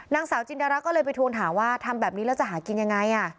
นางสาวจินดาราก็เลยไปทวงถามว่าทำแบบนี้แล้วจะหากินยังไง